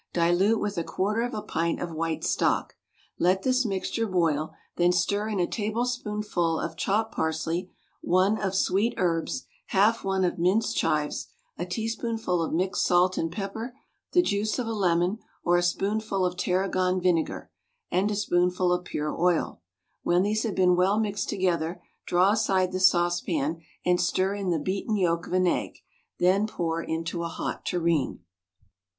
Dilute with a quarter of a pint of white stock. Let this mixture boil, then stir in a tablespoonful of chopped parsley, one of sweet herbs, half one of minced chives, a teaspoonful of mixed salt and pepper, the juice of a lemon, or a spoonful of tarragon vinegar, and a spoonful of pure oil; when these have been well mixed together, draw aside the saucepan and stir in the beaten yolk of an egg, then pour into a hot tureen.